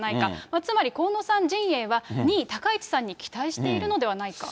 つまり河野さん陣営は２位高市さんに期待しているのではないか。